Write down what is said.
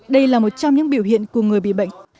đây là một trong những biểu hiện của người bị bệnh